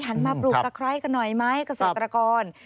มาปลูกตะไคร้กันหน่อยไหมเกษตรกร